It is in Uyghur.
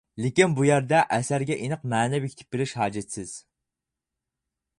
لېكىن بۇ يەردە ئەسەرگە ئېنىق مەنە بېكىتىپ بېرىش ھاجەتسىز.